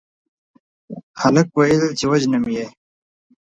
هلک وويل چې وژنم يې